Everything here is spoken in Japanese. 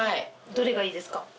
どれがいいですか？